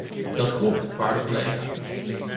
Dat klopt, waarde collega.